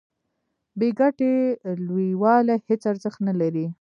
بې ګټې لویوالي هیڅ ارزښت نلري.